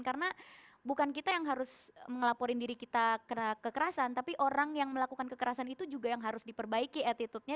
karena bukan kita yang harus melaporin diri kita kena kekerasan tapi orang yang melakukan kekerasan itu juga yang harus diperbaiki attitude nya